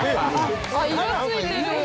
「あっ色ついてる」